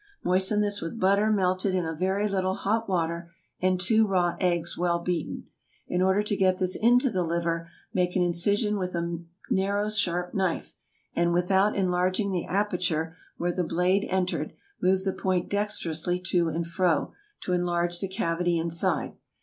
Moisten this with butter melted in a very little hot water, and two raw eggs, well beaten. In order to get this into the liver, make an incision with a narrow sharp knife, and without enlarging the aperture where the blade entered, move the point dexterously to and fro, to enlarge the cavity inside.